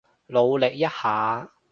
努力一下